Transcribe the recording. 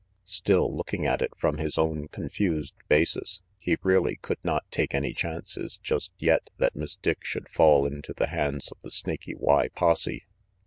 Still, looking at it from his own confused basis, he really could not take any chances just yet that Miss Dick should fall into the hands of the Snaky Y posse.